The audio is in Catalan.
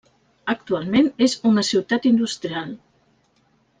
Actualment és una ciutat industrial.